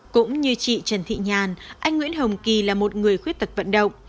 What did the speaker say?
cũng như chị trần thị nhàn anh nguyễn hồng kỳ là một người khuyết tật vận động